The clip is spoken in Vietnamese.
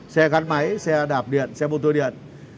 xe gắn máy xe đạp điện xe mô tô điện